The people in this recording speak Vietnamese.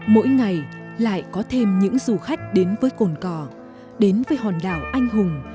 mỗi ngày lại có thêm những du khách đến với cồn cỏ đến với hòn đảo anh hùng